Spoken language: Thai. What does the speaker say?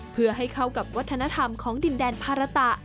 เพื่อให้เข้ากับวัฒนธรรมของดินแดนภาระตะ